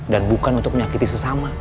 dan bukan untuk menyakiti sesama